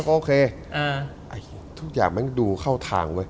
โอเคทุกอย่างมันดูเข้าทางเว้ย